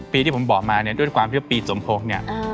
ปีที่ผมบอกมาเนี่ยด้วยความที่ว่าปีสมโคกเนี่ย